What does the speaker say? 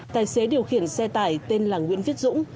tài xế điều khiển xe tải tên là nguyễn viết dũng